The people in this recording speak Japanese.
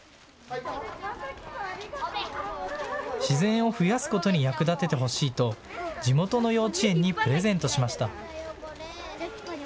自然を増やすことに役立ててほしいと地元の幼稚園にプレゼントしました。